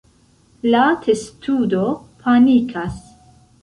La testudo panikas.